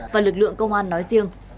và lực lượng công an nói riêng